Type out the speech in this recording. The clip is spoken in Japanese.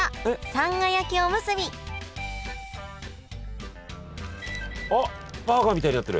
さんが焼きおむすびあっバーガーみたいになってる。